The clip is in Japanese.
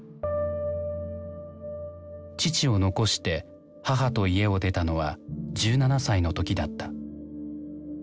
父を残して母と家を出たのは１７歳の時だった。